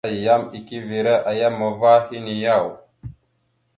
Ayyam eke evere a yam ava henne yaw ?